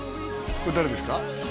これ誰ですか？